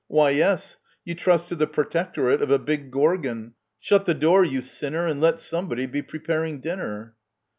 Why, yes ; you trust to the protectorate Of a big Gorgon !— Shut the door, you sinner, And let somebody be preparing dinner